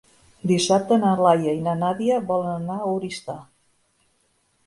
Dissabte na Laia i na Nàdia volen anar a Oristà.